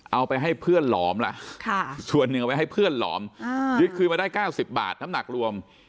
เอาไปให้เพื่อนหลอมล่ะส่วนหนึ่งเอาไว้ให้เพื่อนหลอมยึดคืนมาได้๙๐บาทน้ำหนักรวม